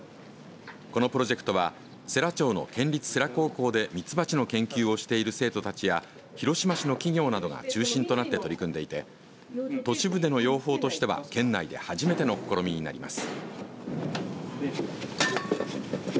このプロジェクトは世羅町の県立世羅高校で蜜蜂の研究している生徒たちや広島市の企業などが中心となって取り組んでいて都市部での養蜂としては県内で初めての試みになります。